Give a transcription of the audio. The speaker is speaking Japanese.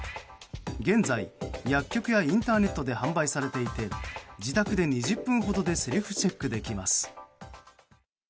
現在、薬局やインターネットで販売されていて自宅で２０分ほどでセルフチェックできます。